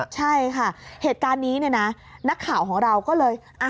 ใช่ค่ะเหตุการณ์นี้เนี่ยนะนักข่าวของเราก็เลย